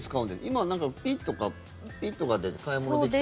今、ピッとかピッとかで買い物できたり。